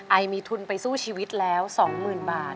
อายมีทุนไปสู้ชีวิตแล้วสองหมื่นบาท